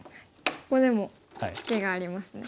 ここでもツケがありますね。